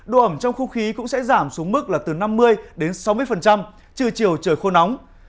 đô ẩm trong khu khí cũng sẽ giảm xuống mức là từ năm mươi đến sáu mươi trừ chiều trời khô nóng